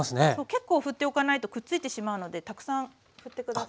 結構ふっておかないとくっついてしまうのでたくさんふって下さいね。